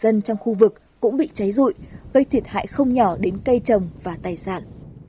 dân trong khu vực cũng bị cháy rụi gây thiệt hại không nhỏ đến cây trồng và tài sản